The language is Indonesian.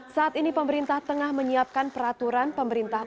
saat ini pemerintah tengah menyiapkan peraturan pemerintah